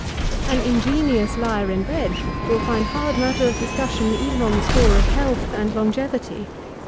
An ingenious Her in bed will find hard matter of discussion even on the score of health and longevity.